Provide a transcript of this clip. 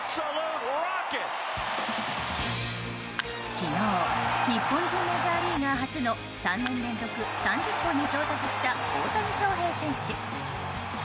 昨日日本人メジャーリーガー初の３年連続３０本に到達した大谷翔平選手。